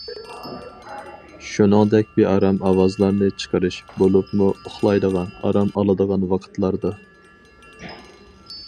شۇنىڭدەك بىئارام ئاۋازلارنى چىقىرىش، بولۇپمۇ ئۇخلايدىغان، ئارام ئالىدىغان ۋاقىتلاردا.